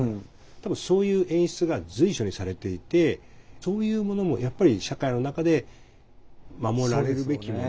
多分そういう演出が随所にされていてそういうものもやっぱり社会の中で守られるべきもの。